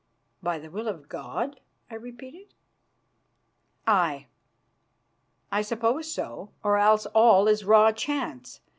"By the will of God?" I repeated. "Aye, I suppose so, or else all is raw chance.